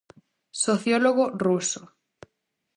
Sociólogo ruso.